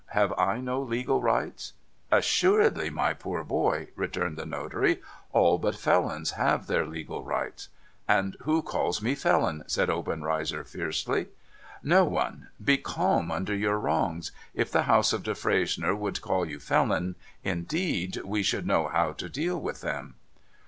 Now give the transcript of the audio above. Have I no legal rights ?'' Assuredly, my poor boy,' returned the notary. ' All but felons have their legal rights,' ' And who calls me felon ?' said Obenreizer, fiercely. No one. Be calm under your wrongs. If the House of Defresnier would call you felon, indeed, we should know how to deal with them.'